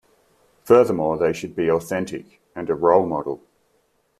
Furthermore, they should be authentic and a role model.